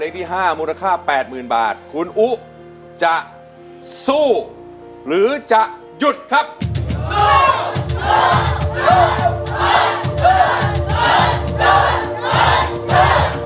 ชื่อชื่อชื่อชื่อชื่อ